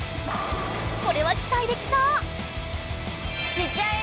これはきたいできそう！